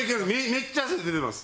めっちゃ汗出てます。